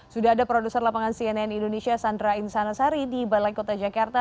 sudah ada produser lapangan cnn indonesia sandra insanasari di balai kota jakarta